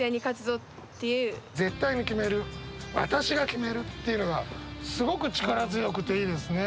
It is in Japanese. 「絶対に決める私が決める」っていうのがすごく力強くていいですね。